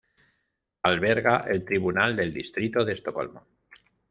Alberga el Tribunal del Distrito de Estocolmo.